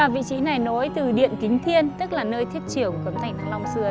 vị trí này nối từ điện kính thiên tức là nơi thiết triểu của cấm thành thăng long xưa